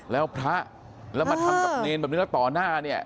แล้วพระแล้วมาทำกับเนรแบบนี้แล้วต่อหน้าเนี่ย